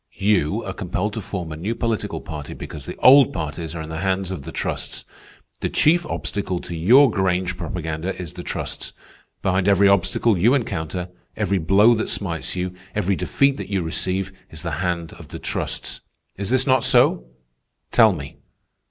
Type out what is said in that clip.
You are compelled to form a new political party because the old parties are in the hands of the trusts. The chief obstacle to your Grange propaganda is the trusts. Behind every obstacle you encounter, every blow that smites you, every defeat that you receive, is the hand of the trusts. Is this not so? Tell me."